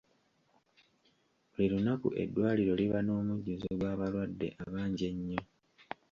Buli lunaku eddwaliro liba n'omujjuzo gw'abalwadde abangi ennyo.